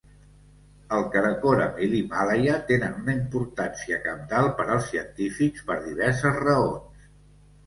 El Karakoram i l'Himàlaia tenen una importància cabdal per als científics per diverses raons.